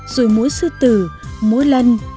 rồi múa sư tử múa lân